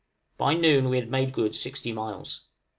By noon we had made good 60 miles.